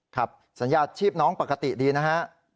สัญญาชีพน้องปกติดีนะฮะ